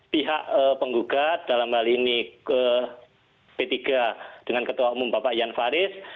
pihak penggugat dalam hal ini p tiga dengan ketua umum bapak jan faris